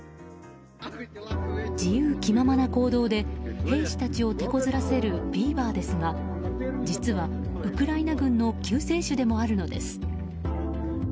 自由気ままな行動で兵士たちを手こずらせるビーバーですが実は、ウクライナ軍の救世主でもあるのです。